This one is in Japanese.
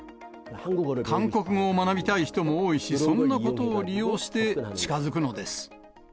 韓国語を学びたい人も多いし、そんなことを利用して近づくのです。